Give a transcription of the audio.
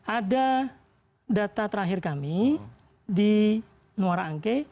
ada data terakhir kami di muara angke